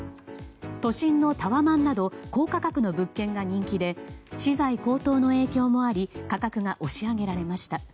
都心のタワマンなど高価格の物件が人気で資材高騰の影響もあり価格が押し上げられました。